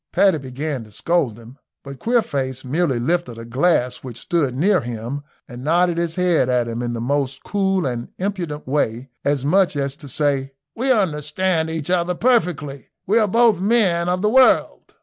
Paddy began to scold him, but Queerface merely lifted a glass which stood near him and nodded his head at him in the most cool and impudent way, as much as to say, "We understand each other perfectly we are both men of the world."